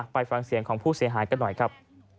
ไปฟังเสียงของผู้เสียหายกันหน่อยครับ